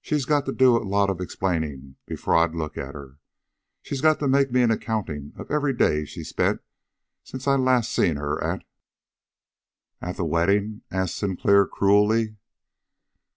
"She's got to do a lot of explaining before I'll look at her. She's got to make me an accounting of every day she's spent since I last seen her at " "At the wedding?" asked Sinclair cruelly.